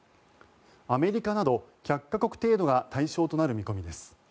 アメリカなど１００か国程度が対象となる見込みです。